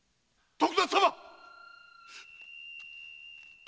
徳田様っ！